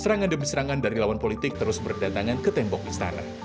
serangan demi serangan dari lawan politik terus berdatangan ke tembok istana